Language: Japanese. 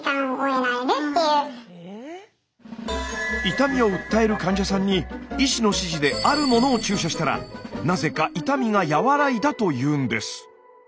痛みを訴える患者さんに医師の指示でなぜか痛みが和らいだというんです。